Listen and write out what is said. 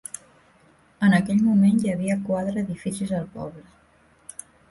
En aquell moment hi havia quadre edificis al poble.